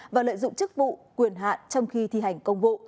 và lợi dụng chức vụ quyền hạn trong khi thi hành công vụ